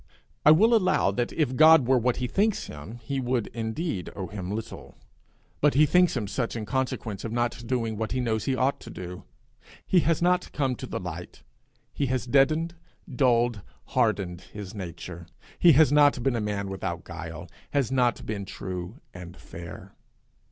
I will allow that if God were what he thinks him he would indeed owe him little; but he thinks him such in consequence of not doing what he knows he ought to do. He has not come to the light. He has deadened, dulled, hardened his nature. He has not been a man without guile, has not been true and fair.